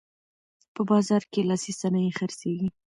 په بازار کې لاسي صنایع خرڅیږي.